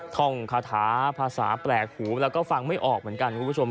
ท่องคาถาภาษาแปลกหูแล้วก็ฟังไม่ออกเหมือนกันคุณผู้ชม